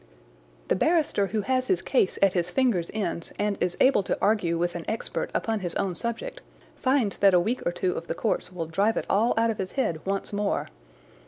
The barrister who has his case at his fingers' ends and is able to argue with an expert upon his own subject finds that a week or two of the courts will drive it all out of his head once more.